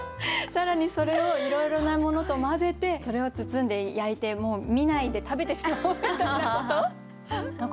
更にそれをいろいろなものと混ぜてそれを包んで焼いてもう見ないで食べてしまおう！みたいなこと？